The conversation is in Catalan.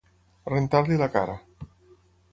Rentar-li la cara.